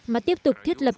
mà tiếp tục thiết lập